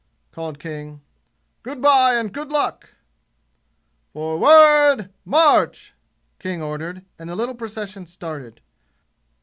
called King. "Good by and good luck!" "Forward! March!" King ordered, and the little procession started.